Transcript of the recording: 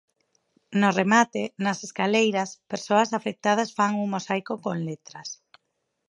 No remate, nas escaleiras, persoas afectadas fan un mosaico con letras.